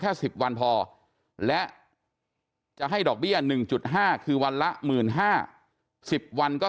แค่๑๐วันพอและจะให้ดอกเบี้ย๑๕คือวันละ๑๕๐วันก็